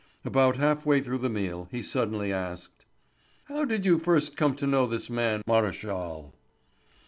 About half way through the meal he suddenly asked: "How did you first come to know this man Maréchal?"